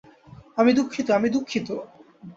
আমি দুঃখিত, আমি দুঃখিত।